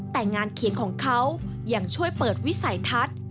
แต่งานเขียนของเขายังช่วยเปิดวิสัยทัศน์